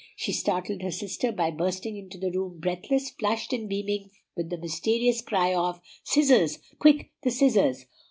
She startled her sister by bursting into the room breathless, flushed, and beaming, with the mysterious cry of, "Scissors! quick, the scissors!"